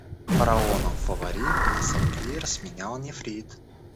Фараонов фаворит на сапфир сменял нефрит.